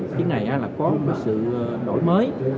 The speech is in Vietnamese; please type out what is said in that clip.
chứ này là có một sự đổi mới